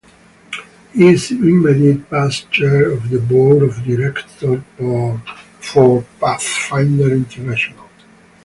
He is immediate past chair of the board of directors for Pathfinder International.